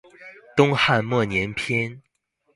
東漢末年篇